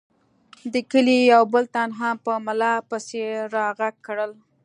د کلي یو بل تن هم په ملا پسې را غږ کړل.